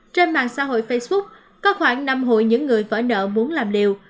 trên mạng xã hội facebook có khoảng năm hội những người vỡ nợ muốn làm liều